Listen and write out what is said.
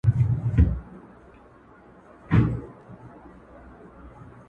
ستا د خولې دعا لرم ،گراني څومره ښه يې ته,